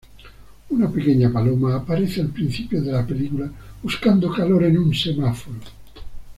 Una pequeña paloma aparece al principio de la película buscando calor en un semáforo.